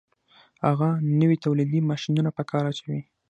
هغه نوي تولیدي ماشینونه په کار اچوي